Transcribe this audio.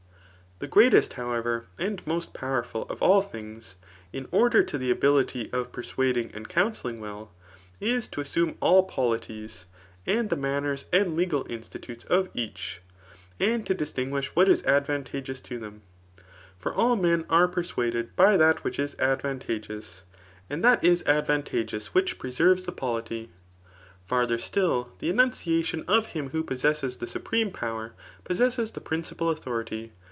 Thb greatest, however, and most powerful of all things^ in order to the ability of persuading and coun selling well, is to assume all polities, and the maimers and l^;al institutes of each, and to distinguish what is advantageous to them. For all men are persuaded by that which is advantageous; and that is advantageous 48 TH« ART or Beeft u wittch preserves the poKty. Fartker stilt, the entmciai* tkm of hhn who po ss esses the supreme power, possesses die principal authority.